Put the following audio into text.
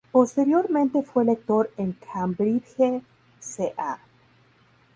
Posteriormente fue lector en Cambridge ca.